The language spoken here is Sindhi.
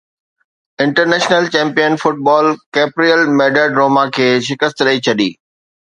انٽرنيشنل چيمپيئن فٽبال ڪيپريئل ميڊرڊ روما کي شڪست ڏئي ڇڏي